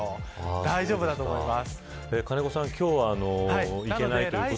大丈夫だと思います。